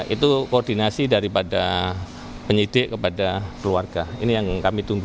itu koordinasi daripada penyidik kepada keluarga ini yang kami tunggu